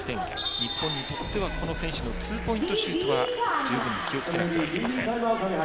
日本にとってはこの選手のツーポイントシュートは十分に気をつけないといけません。